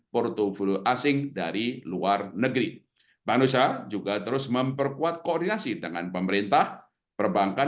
portfolio asing dari luar negeri manusia juga terus memperkuat koordinasi dengan pemerintah perbankan